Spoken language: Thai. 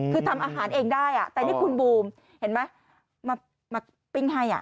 คือทำอาหารเองได้แต่นี่คุณบูมเห็นไหมมาปิ้งให้